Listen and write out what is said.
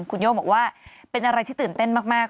คุณโย่งบอกว่าเป็นอะไรที่ตื่นเต้นมาก